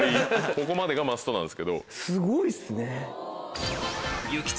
ここまでがマストなんですけど。